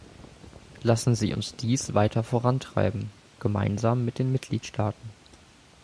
Lassen Sie uns dies weiter vorantreiben, gemeinsam mit den Mitgliedstaaten.